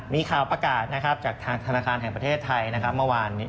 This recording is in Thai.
มีข่าวประกาศจากธนาคารแห่งประเทศไทยเมื่อวาน